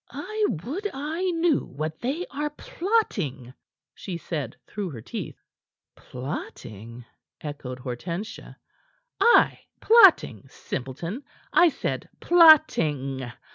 "I would I knew what they are plotting," she said through her teeth. "Plotting?" echoed Hortensia. "Ay plotting, simpleton. I said plotting.